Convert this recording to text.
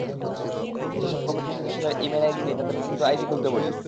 যেসব কমিটির সদস্যদের ই-মেইল আইডি নেই, তাদের দ্রুত আইডি খুলতে বলি।